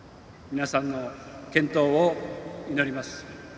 皆さんの健闘を祈ります。